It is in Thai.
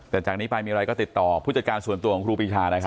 แต่จากนี้ไปมีอะไรก็ติดต่อผู้จัดการส่วนตัวของครูปีชานะครับ